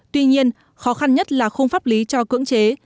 tuy nhiên khó khăn nhất là khung pháp lý cho cưỡng chế